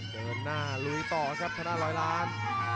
เดินหน้าลุยต่อครับชนะร้อยล้าน